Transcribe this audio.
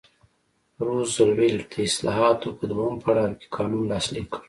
روزولټ د اصلاحاتو په دویم پړاو کې قانون لاسلیک کړ.